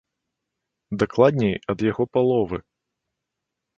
Дакладней, ад яго паловы!